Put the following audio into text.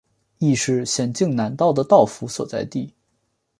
亦是咸镜南道的道府所在地。